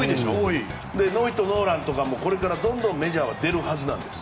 ノーヒットノーランとかもこれから、どんどんメジャーは出るはずなんです。